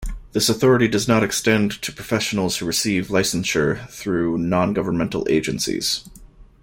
This authority does not extend to professionals who receive licensure through non-governmental agencies.